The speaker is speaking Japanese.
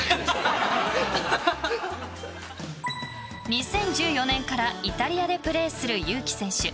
２０１４年からイタリアでプレーする祐希選手。